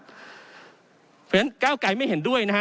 เพราะฉะนั้นก้าวไกรไม่เห็นด้วยนะฮะ